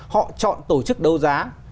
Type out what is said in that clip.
họ chọn tổ chức đấu giá